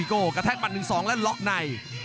กระทะกปั้นหนึ่งสองและล็อกไหน